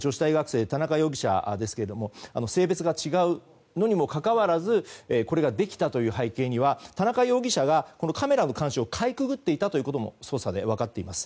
そして田中容疑者ですけども性別が違うのにもかかわらずこれができたという背景には田中容疑者がカメラの監視をかいくぐっていたということも捜査で分かっています。